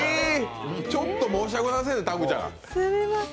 ちょっと申し訳ございませんね、たくちゃん。